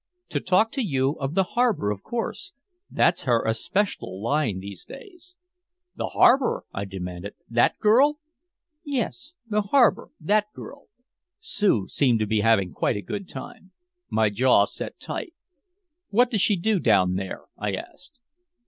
"To talk to you of the harbor, of course that's her especial line these days." "The harbor?" I demanded. "That girl?" "Yes the harbor, that girl." Sue seemed to be having quite a good time. My jaw set tight. "What does she do down there?" I asked.